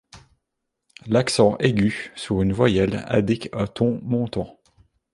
L’accent aigu sur une voyelle indique un ton montant.